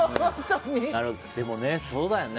でもね、そうだよね。